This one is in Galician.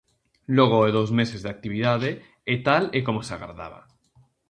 Logo de dous meses de actividade e tal e como se agardaba.